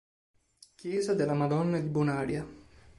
Chiesa della Madonna di Bonaria